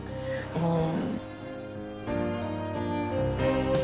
うん。